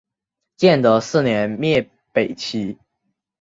建德四年灭北齐。